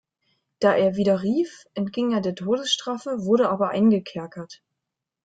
Da er widerrief entging er der Todesstrafe, wurde aber eingekerkert.